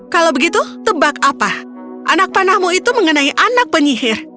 kalau begitu tebak apa anak panahmu itu mengenai anak penyihir